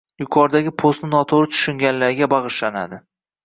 Yuqoridagi postni noto'g'ri tushunganlarga bag'ishlanadi!